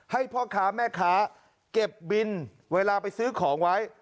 ให้พ่อค้าแม่ค้าเก็บบินเวลาไปซื้อของไว้